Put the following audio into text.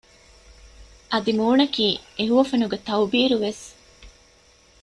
އަދި މޫނަކީ އެ ހުވަފެނުގެ ތައުބީރު ވެސް